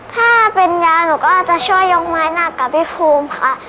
ถ้าเป็นยาหนูก็จะช่วยยกไม้หนักกับพี่ภูมิค่ะ